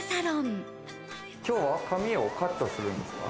今日は髪をカットするんですか？